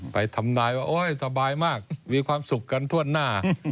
ทำนายว่าโอ๊ยสบายมากมีความสุขกันทั่วหน้า